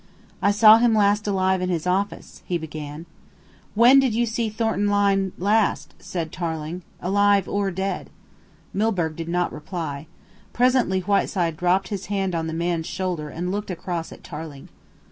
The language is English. "I saw him last alive in his office," he began. "When did you see Thornton Lyne last?" asked Tarling again. "Alive or dead." Milburgh did not reply. Presently Whiteside dropped his hand on the man's shoulder and looked across at Tarling.